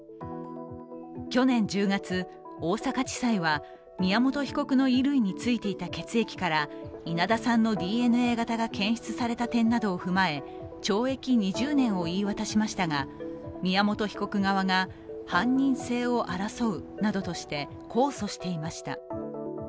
去年１０月、大阪地裁は宮本被告の衣類についていた血液から稲田さんのＤＮＡ型が検出された点などを踏まえ懲役２０年を言い渡しましたが、宮本被告側が、犯人性を争うなどとして控訴していました。